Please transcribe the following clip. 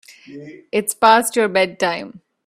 It's past your bedtime.